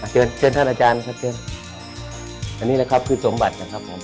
เชิญเชิญท่านอาจารย์ชัดเจนอันนี้แหละครับคือสมบัตินะครับผม